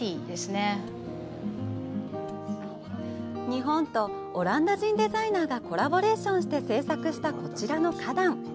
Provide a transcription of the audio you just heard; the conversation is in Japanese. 日本とオランダ人デザイナーがコラボレーションして制作したこちらの花壇。